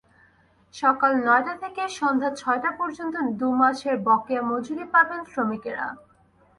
সকাল নয়টা থেকে সন্ধ্যা ছয়টা পর্যন্ত দুই মাসের বকেয়া মজুরি পাবেন শ্রমিকেরা।